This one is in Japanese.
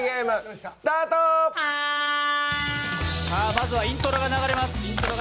まずはイントロが流れます。